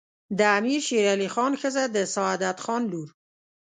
د امیر شیرعلي خان ښځه د سعادت خان لور